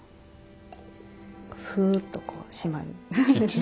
すっとこう閉まる。